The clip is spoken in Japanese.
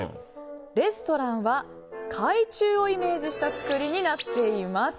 レストランは海中をイメージした造りになっています。